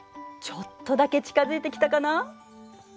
ちょっとだけ近づいてきたかな。